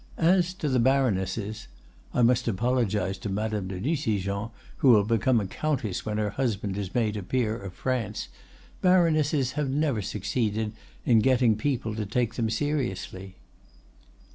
As to the baronesses—I must apologize to Madame de Nucingen, who will become a countess when her husband is made a peer of France—baronesses have never succeeded in getting people to take them seriously."